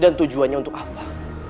dan tujuannya untuk apa